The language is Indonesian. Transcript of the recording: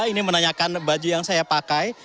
ini menanyakan baju yang saya pakai